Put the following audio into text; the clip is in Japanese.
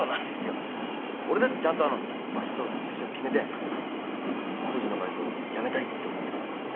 俺だってちゃんとあのばしっと就職決めてあの工事のバイト辞めたいって思ってるんすから。